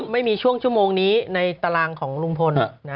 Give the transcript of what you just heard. ไม่มีช่วงชั่วโมงนี้ในตารางของลุงพล